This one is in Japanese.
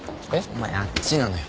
お前あっちなのよ